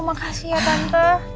makasih ya tante